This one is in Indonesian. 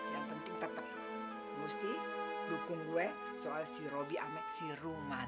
yang penting tetep mesti dukung gue soal si robby sama si ruman